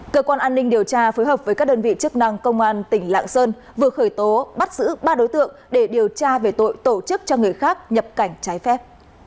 cơ quan an ninh điều tra phối hợp với các đơn vị chức năng công an tỉnh lạng sơn vừa khởi tố bắt giữ ba đối tượng để điều tra về tội tổ chức cho người khác nhập cảnh trái phép